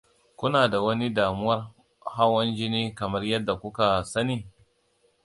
kuna da wani damuwar hawan jini kamar yadda kuka sani?